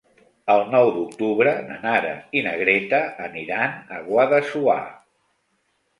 El nou d'octubre na Nara i na Greta aniran a Guadassuar.